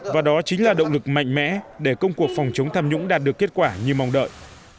và đó chính là động lực mạnh mẽ để công cuộc phòng chống tham nhũng đạt được kết quả như mong đợi